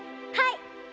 はい！